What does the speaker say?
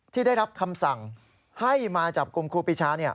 ที่ได้รับคำสั่งให้มาจับกลุ่มครูปีชา